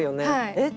「えっ？」